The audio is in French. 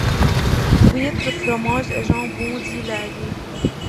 Huîtres, fromage et jambon, dit Laigle.